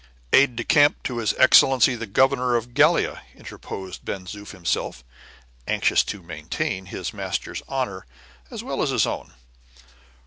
"Aide de camp to his Excellency the Governor of Gallia," interposed Ben Zoof himself, anxious to maintain his master's honor as well as his own.